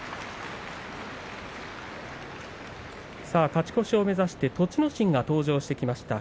勝ち越しを目指して栃ノ心が登場してきました。